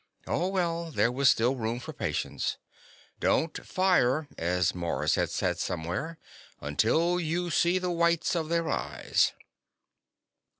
Oh, well, there was still room for patience. "Don't fire," as Mars had said somewhere, "until you see the whites of their eyes."